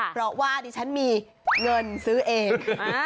เพราะว่าดิฉันมีเงินซื้อเอง